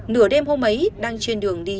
nửa đêm hôm ấy đang trên đường đi